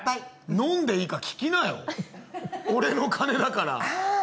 飲んでいいか聞きなよ、俺の金だから。